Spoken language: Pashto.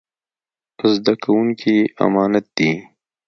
زده کوونکي يې امانت دي.